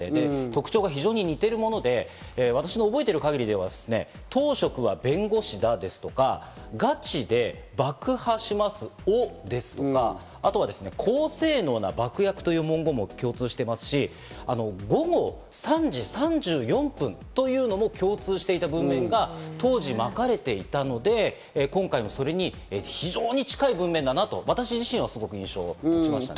特徴が非常に似ているもので私の覚えてる限りではですね、「当職は弁護士だ」ですとか、「ガチで爆破しますを」ですとか、あとは高性能な爆薬という文言も共通していますし、午後３時３４分というのも共通していた文面が当時まかれていたので、今回もそれに非常に近い文面だなと私自身はすごく印象を持ちました。